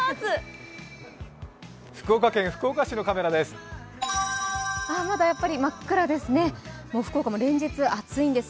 福岡県福岡市のカメラです。